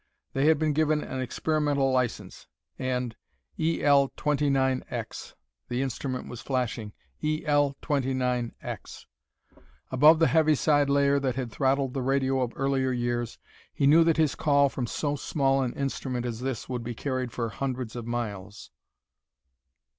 They had been given an experimental license, and "E L 29 X" the instrument was flashing, "E L 29 X." Above the heaviside layer that had throttled the radio of earlier years, he knew that his call from so small an instrument as this would be carried for hundreds of miles.